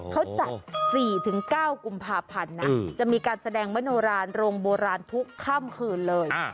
เขาจัด๔๙กุมภาพันธ์นะจะมีการแสดงมโนรานโรงโบราณทุกค่ำคืนเลย